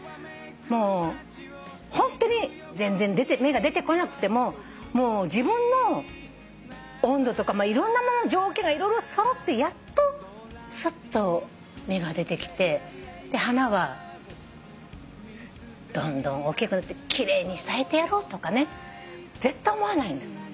もうホントに全然芽が出てこなくても自分の温度とかいろんなものの条件が色々揃ってやっとすっと芽が出てきて花はどんどん大きくなって奇麗に咲いてやろうとかね絶対思わないんだって。